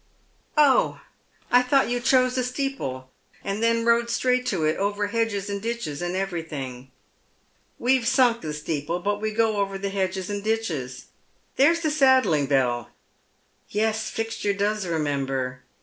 " Oh, I thought you chose a steeple, and then rode straight to it, over hedges and ditches, and everj'lhing." " We've sunk the steeple. But we go over the hedges and ditches. There's the saddling bell. Yes, Fixture does remember."